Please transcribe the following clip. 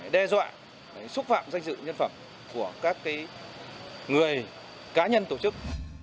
đe dọa xúc phạm danh dự nhân phẩm của các người cá nhân tổ chức